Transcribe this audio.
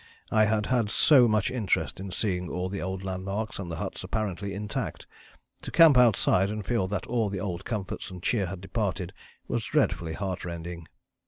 I had had so much interest in seeing all the old landmarks and the huts apparently intact. To camp outside and feel that all the old comforts and cheer had departed was dreadfully heartrending."